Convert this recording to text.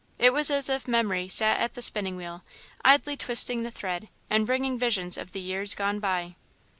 It was as if Memory sat at the spinning wheel, idly twisting the thread, and bringing visions of the years gone by.